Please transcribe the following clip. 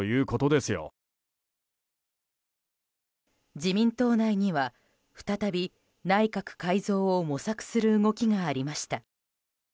自民党内には再び、内閣改造を模索する動きがありました。